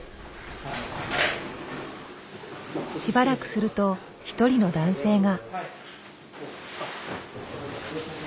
しばらくすると一人の男性が。